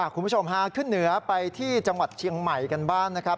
คุณผู้ชมฮาขึ้นเหนือไปที่จังหวัดเชียงใหม่กันบ้างนะครับ